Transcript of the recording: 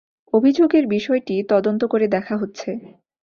অভিযোগের বিষয়টি তদন্ত করে দেখা হচ্ছে।